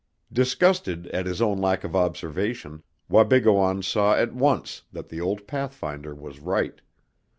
Disgusted at his own lack of observation, Wabigoon saw at once that the old pathfinder was right.